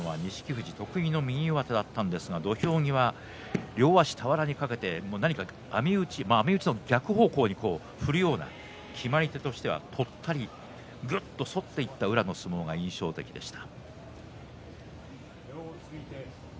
富士得意の右上手だったんですが土俵際両足俵にかけて網打ち網打ちの逆方向に振るように決まり手としては、とったりぐっと反っていった宇良の相撲が印象的でした。